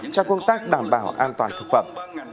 cho công tác đảm bảo an toàn thực phẩm